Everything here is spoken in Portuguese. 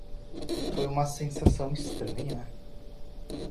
Foi uma sensação estranha.